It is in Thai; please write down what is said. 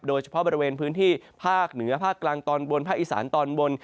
โดยเฉพาะบริเวณพื้นที่ภาคเหนือภาคกลางตอนบนภาคอีสานตอนบน